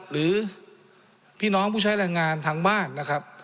หรือพี่น้องผู้ใช้แรงงานทางบ้านนะครับ